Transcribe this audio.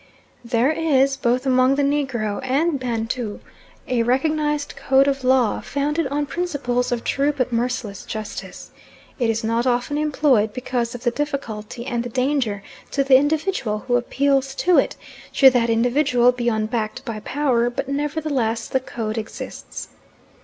There is, both among the Negro and Bantu, a recognised code of law, founded on principles of true but merciless justice. It is not often employed, because of the difficulty and the danger to the individual who appeals to it, should that individual be unbacked by power, but nevertheless the code exists.